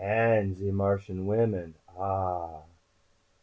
And de Martian women! _Ah!